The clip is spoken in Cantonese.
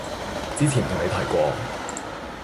之前同你提過